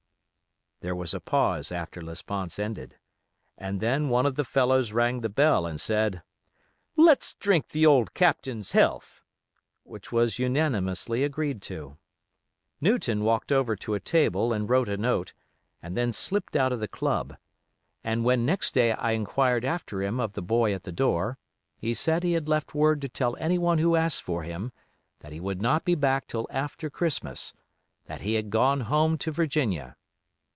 There was a pause after Lesponts ended, and then one of the fellows rang the bell and said, "Let's drink the old Captain's health," which was unanimously agreed to. Newton walked over to a table and wrote a note, and then slipped out of the club; and when next day I inquired after him of the boy at the door, he said he had left word to tell anyone who asked for him, that he would not be back till after Christmas; that he had gone home to Virginia.